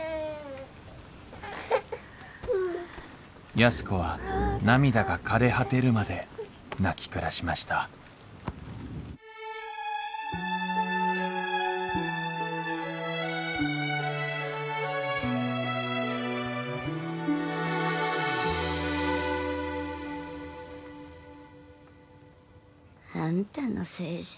安子は涙がかれ果てるまで泣き暮らしましたあんたのせいじゃ。